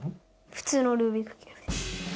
普通のルービックキューブです。